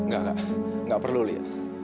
gak gak gak perlu lia